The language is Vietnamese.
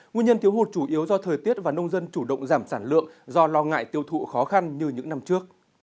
nguyên nhân thiếu hụt chủ yếu do thời tiết và nông dân chủ động giảm sản lượng do lo ngại tiêu thụ khó khăn như những năm trước